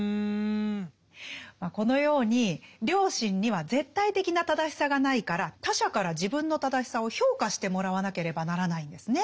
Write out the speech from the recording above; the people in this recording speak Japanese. このように良心には絶対的な正しさがないから他者から自分の正しさを評価してもらわなければならないんですね。